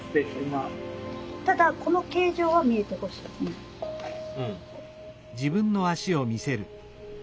ただこの形状は見えてほしい。